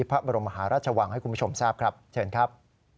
พระบรมหาราชวังให้คุณผู้ชมทราบครับเชิญครับ